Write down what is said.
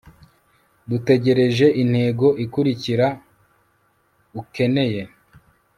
dutegereje intego ikurikira ukeneye